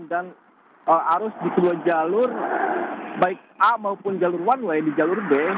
dan arus di kedua jalur baik a maupun jalur one way di jalur b